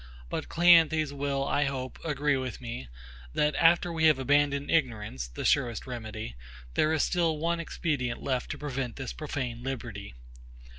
But CLEANTHES will, I hope, agree with me, that, after we have abandoned ignorance, the surest remedy, there is still one expedient left to prevent this profane liberty.